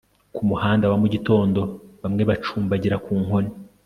Kumuhanda wa mugitondo Bamwe bacumbagira ku nkoni